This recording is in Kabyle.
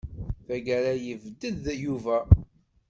Tagara, yebded Yuba.